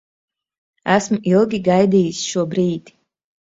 Esmu ilgi gaidījis šo brīdi.